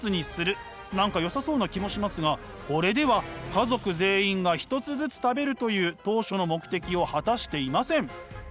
何かよさそうな気もしますがこれでは家族全員が１つずつ食べるという当初の目的を果たしていません。